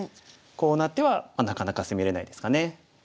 こうなってはなかなか攻めれないですかね。